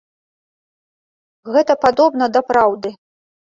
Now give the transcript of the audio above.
Гэта падобна да праўды.